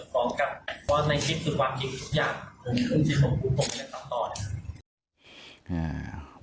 ผมคิดว่าผมจะตามต่อนะครับ